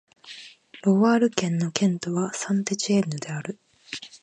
ロワール県の県都はサン＝テチエンヌである